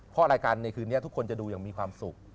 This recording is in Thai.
เพราะรายการในคืนนี้ทุกคนจะดูอย่างมีความสุข